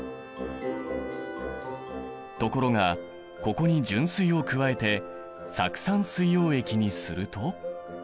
ところがここに純水を加えて酢酸水溶液にすると。